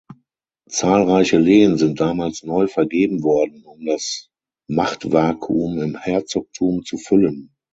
Zahlreiche Lehen sind damals neu vergeben worden, um das Machtvakuum im Herzogtum zu füllen.